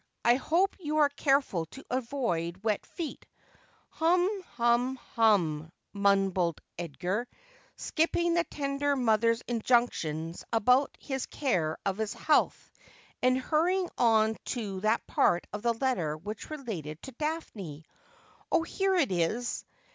I hope you are careful to avoid wet feet "— hum — hum — hum,' mumbled Edgar, skipping the tender mother's injunctions about his care of his health, and hurrying on to that part of the letter which related to Daphne. ' Oh, here it is.